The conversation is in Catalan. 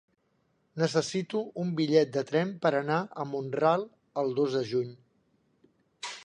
Necessito un bitllet de tren per anar a Mont-ral el dos de juny.